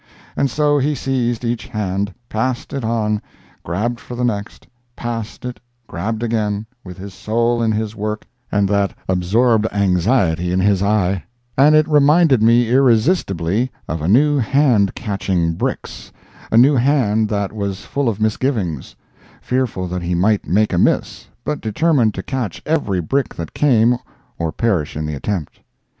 And so he seized each hand, passed it on, grabbed for the next, passed it, grabbed again, with his soul in his work and that absorbed anxiety in his eye; and it reminded me irresistibly of a new hand catching bricks—a new hand that was full of misgivings; fearful that he might make a miss, but determined to catch every brick that came, or perish in the attempt.